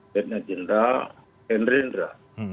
datangan jenderal herendra